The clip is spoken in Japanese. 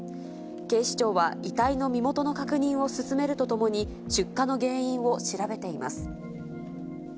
警視庁は遺体の身元の確認を進めるとともに、出火の原因を調べています。